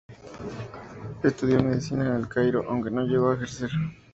Estudió medicina en El Cairo, aunque no llegó a ejercer.